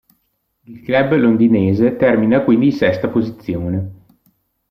Il club londinese termina quindi in sesta posizione.